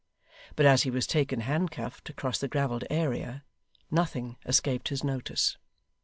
But as he was taken handcuffed across the gravelled area, nothing escaped his notice.